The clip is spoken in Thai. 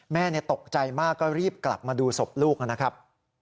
แม่ตกใจมากก็รีบกลับมาดูศพลูกนะครับ